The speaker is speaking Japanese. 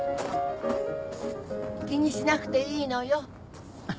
・気にしなくていいのよ。